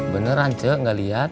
bener aja gak liat